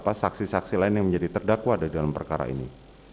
dan saksi saksi lain yang menjadi terdakwa dalam perkara ini